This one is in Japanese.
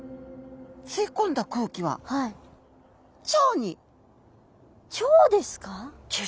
吸い込んだ空気は腸ですか？